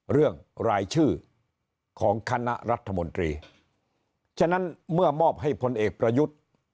เรื่องรายชื่อของคณะรัฐมนตรีฉะนั้นเมื่อมอบให้พลเอกประยุทธ์